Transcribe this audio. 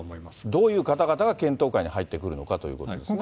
どういう方々が検討会に入ってくるのかということですね。